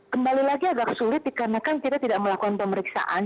kembali lagi agak sulit dikarenakan kita tidak melakukan pemeriksaan